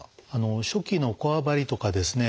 初期のこわばりとかですね